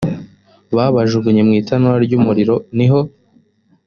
babajugunye mu itanura ry umuriro ni ho